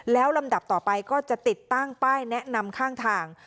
แล้วลำดับต่อไปก็จะติดตั้งป้ายแนะนำข้างทาง